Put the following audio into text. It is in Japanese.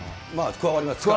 加わりますね。